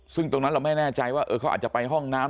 ซึ่งตรงนั้นเราไม่แน่ใจว่าเขาอาจจะไปห้องน้ำ